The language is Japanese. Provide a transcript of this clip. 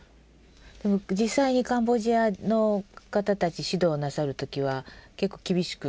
でも実際にカンボジアの方たち指導なさる時は結構厳しくしてらした？